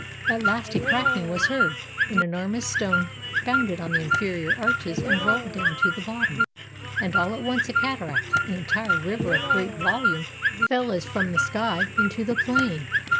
At last a cracking was heard, an enormous stone bounded on the inferior arches and rolled down to the bottom — and all at once a cataract, an entire river of great volume, fell as from the sky into the plain!